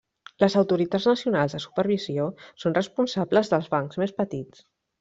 Les autoritats nacionals de supervisió són responsables dels bancs més petits.